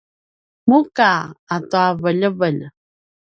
muka ata veljevelj